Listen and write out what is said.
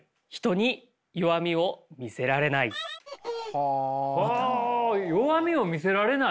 ああ弱みを見せられない。